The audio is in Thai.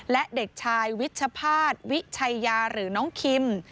และเด็กชายวิชภาษณ์วิชัยยาหรือน้องคิม